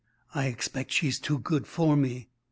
"I expect she's too good for me."